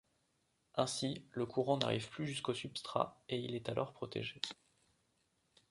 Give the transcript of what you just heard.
Ainsi le courant n’arrive plus jusqu’au substrat, et il est alors protégé.